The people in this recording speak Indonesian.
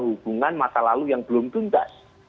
hubungan masa lalu yang belum tuntas